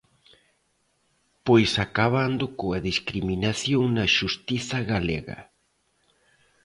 Pois acabando coa discriminación na xustiza galega.